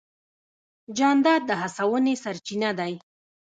جانداد د هڅونې سرچینه دی.